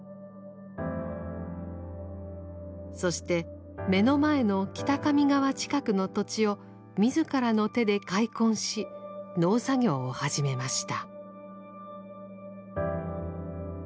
そして目の前の北上川近くの土地を自らの手で開墾し農作業を始めました。